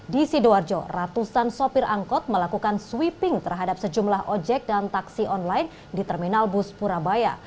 di sidoarjo ratusan sopir angkot melakukan sweeping terhadap sejumlah ojek dan taksi online di terminal bus purabaya